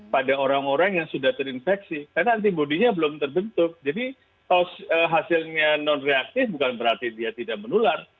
pada orang orang yang sudah terinfeksi karena antibody nya belum terbentuk jadi hasilnya non reaktif bukan berarti dia tidak menular